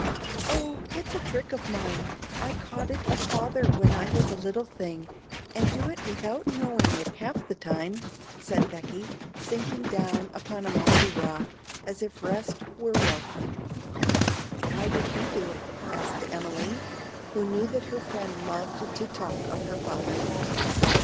"Oh, it's a trick of mine; I caught it of Father when I was a little thing, and do it without knowing it half the time," said Becky, sinking down upon a mossy rock, as if rest were welcome. "Why did he do it?" asked Emily, who knew that her friend loved to talk of her father.